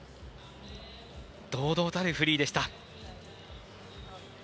堂々たるフリーでした。